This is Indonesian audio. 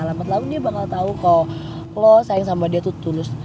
lama lama dia bakal tau kalau lo sayang sama dia tuh tunus